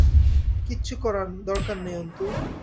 কিচ্ছু দরকার নেই অন্তু।